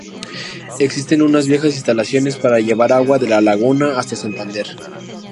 Existen unas viejas instalaciones para llevar agua de la laguna hasta Santander.